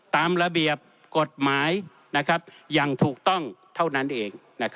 ตามระเบียบกฎหมายอย่างถูกต้องเท่านั้นเอง